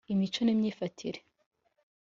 imico n’imyifatire